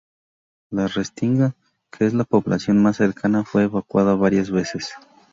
La Restinga, que es la población más cercana, fue evacuada varias veces.